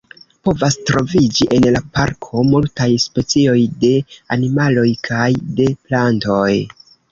Povas troviĝi en la parko multaj specioj de animaloj kaj de plantoj.